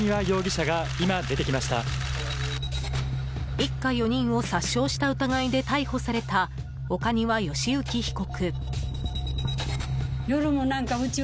一家４人を殺傷した疑いで逮捕された岡庭由征被告。